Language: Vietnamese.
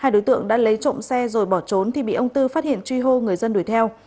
hai đối tượng đã lấy trộm xe rồi bỏ trốn thì bị ông tư phát hiện truy hô người dân đuổi theo